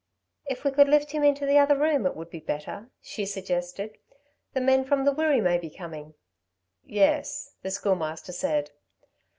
"If we could lift him into the other room it would be better," she suggested. "The men from the Wirree may be coming." "Yes," the Schoolmaster said.